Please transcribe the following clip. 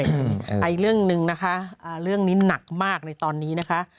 อีกเรื่องหนึ่งนะคะเรื่องนี้หนักมากในตอนนี้นะคะ